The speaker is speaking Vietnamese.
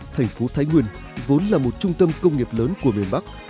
thành phố thái nguyên vốn là một trung tâm công nghiệp lớn của miền bắc